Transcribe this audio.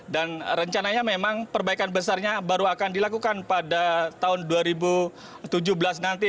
dan rencananya memang perbaikan besarnya baru akan dilakukan pada tahun dua ribu tujuh belas nanti